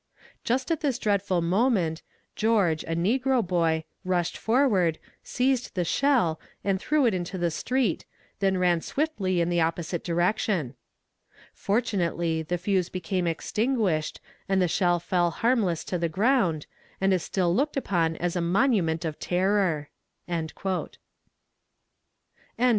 "Just at this dreadful moment, George, a negro boy, rushed forward, seized the shell, and threw it into the street, then ran swiftly in the opposite direction. "Fortunately the fuse became extinguished and the shell fell harmless to the ground, and is still looked upon as a monument of terror." CHAPTER XXVIII.